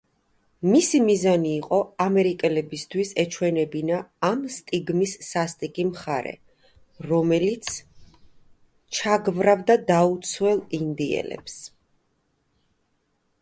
მისი მიზანი იყო, ამერიკელებისთვის ეჩვენებინა ამ სტიგმის სასტიკი მხარე, რომელიც ჩაგრავდა დაუცველ ინდივიდებს.